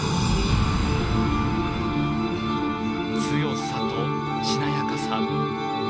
強さとしなやかさ。